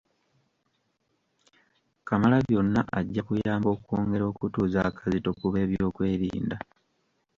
Kamalabyonna ajja kuyamba okwongera okutuuza akazito ku b’ebyokwerinda